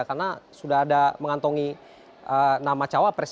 karena sudah ada mengantongi nama capres